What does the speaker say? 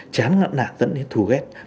chán nạt dẫn đến thù ghét